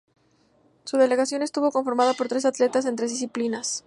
Su delegación estuvo conformada por tres atletas en tres disciplinas.